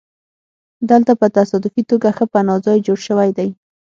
دلته په تصادفي توګه ښه پناه ځای جوړ شوی دی